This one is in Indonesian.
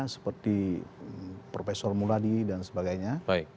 seperti profesor muladi dan sebagainya